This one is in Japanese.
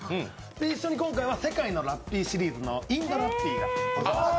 一緒に今回は世界のラッピーシリーズのインドラッピーです。